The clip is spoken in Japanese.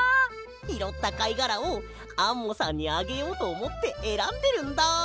ひろったかいがらをアンモさんにあげようとおもってえらんでるんだ！